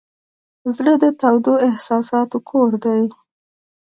زړه د تودو احساساتو کور دی.